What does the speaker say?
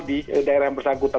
di daerah yang bersangkutan